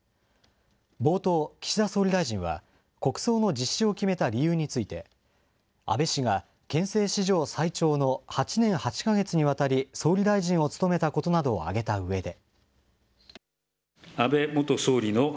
冒頭、岸田総理大臣は、国葬の実施を決めた理由について、安倍氏が憲政史上最長の８年８か月にわたり、総理大臣を務めたことなどを挙げたうえで。